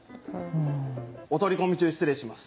お取り込み中失礼します